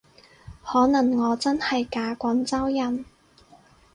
可能我真係假廣州人